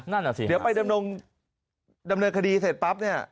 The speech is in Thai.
นั่นอ่ะสิเดี๋ยวไปดำดำเนินคดีเสร็จปั๊บเนี่ย